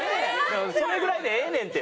それぐらいでええねんて。